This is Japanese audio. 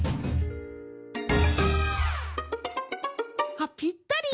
あっぴったり！